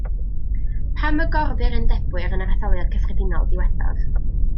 Pam y gorfu'r Undebwyr yn yr Etholiad Cyffredinol diwethaf?